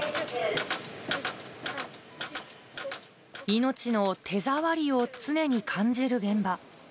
命の手触りを常に感じる現場。